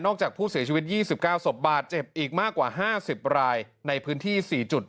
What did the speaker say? จากผู้เสียชีวิต๒๙ศพบาดเจ็บอีกมากกว่า๕๐รายในพื้นที่๔จุด